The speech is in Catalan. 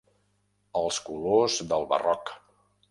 "Els colors del Barroc"